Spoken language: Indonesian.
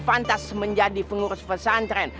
fantas menjadi pengurus pesantren